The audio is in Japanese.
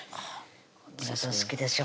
先生好きでしょ？